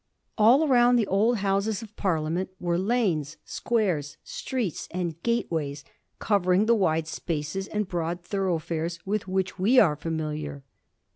All around the old Houses of Parliament were lanes, squares, streets, and gateways covering^ the wide spaces and broad thoroughfares with which we are familiar.